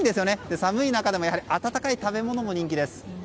寒い中でもあたたかい食べ物が人気です。